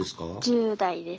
１０代です。